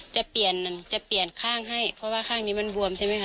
จะเปลี่ยนจะเปลี่ยนข้างให้เพราะว่าข้างนี้มันบวมใช่ไหมคะ